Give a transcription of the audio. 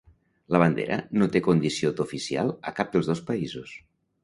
La bandera no té condició d'oficial a cap dels dos països.